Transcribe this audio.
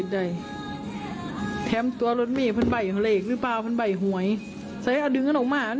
ใช่น่าตอนเจ็ดแตกจะได้กินกันบ่อย